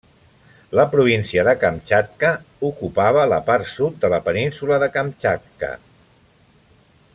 La província de Kamtxatka ocupava la part sud de la península de Kamtxatka.